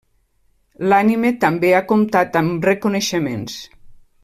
L'anime també ha comptat amb reconeixements.